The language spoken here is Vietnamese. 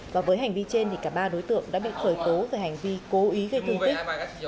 và với hành vi trên cả ba đối tượng đã bị khởi tố về hành vi cố ý gây thương tích